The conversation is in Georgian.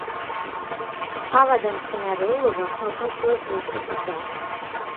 ჰავა და მცენარეულობა ხმელთაშუა ზღვის ტიპისაა.